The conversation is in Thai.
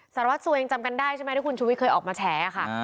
สารวัสสัวยังจำกันได้ใช่ไหมที่คุณชุวิตเคยออกมาแฉค่ะ